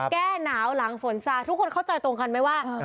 แก้หนาวหลังฝนซาทุกคนเข้าใจตรงกันไหมว่า